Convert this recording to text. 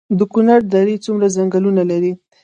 د کونړ درې څومره ځنګلونه لري؟